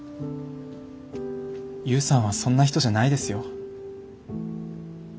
悠さんはそんな人じゃないですよ。